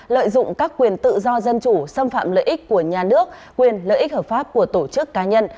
lợi dụng các quyền tự do dân chủ xâm phạm lợi ích của nhà nước quyền lợi ích hợp pháp của tổ chức cá nhân